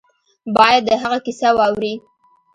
باید د هغه کیسه واوري.